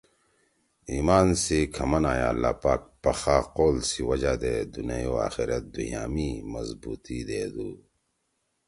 )ایمان سی کھمنا ئے اللّٰہ پاک پخا قول سی وجہ دے دُونیئی او آخرت دُھوئیا می مضبوطی دیدُو(